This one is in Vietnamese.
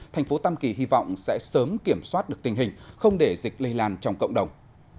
thành phố tam kỳ hy vọng sẽ sớm kiểm soát được tình hình không để dịch lây lan trong cộng đồng